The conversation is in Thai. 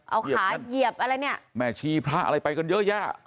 เอาขาเหยียบอะไรเนี่ย